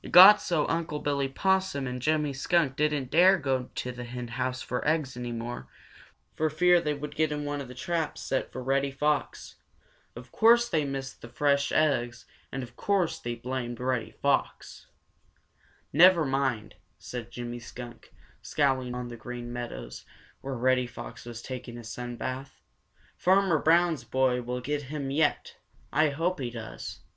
It got so that Unc' Billy Possum and Jimmy Skunk didn't dare go to the henhouse for eggs any more, for fear that they would get into one of the traps set for Reddy Fox. Of course they missed those fresh eggs and of course they blamed Reddy Fox. "Never mind," said Jimmy Skunk, scowling down on the Green Meadows where Reddy Fox was taking a sun bath, "Farmer Brown's boy will get him yet! I hope he does!"